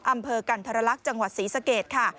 อำเภอกันธรรลักษณ์จังหวัดศรีสเกตค่ะ